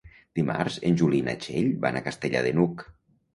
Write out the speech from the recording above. Dimarts en Juli i na Txell van a Castellar de n'Hug.